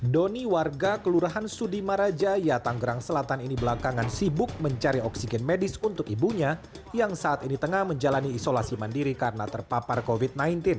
doni warga kelurahan sudimaraja yatanggerang selatan ini belakangan sibuk mencari oksigen medis untuk ibunya yang saat ini tengah menjalani isolasi mandiri karena terpapar covid sembilan belas